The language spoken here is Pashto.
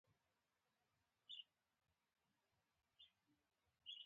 ما ورته ووې د کور مخ کښې دې